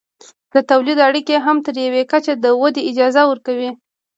د تولید اړیکې هم تر یوې کچې د ودې اجازه ورکوي.